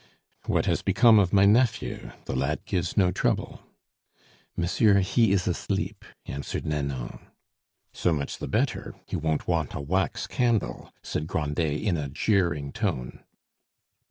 "What has become of my nephew? The lad gives no trouble." "Monsieur, he is asleep," answered Nanon. "So much the better; he won't want a wax candle," said Grandet in a jeering tone.